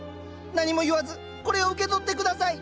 何も言わずこれを受け取って下さい。